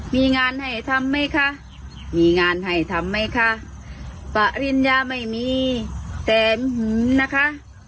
มีงานให้ทำไหมคะมีงานให้ทำไหมคะปริญญาไม่มีแต่หือนะคะ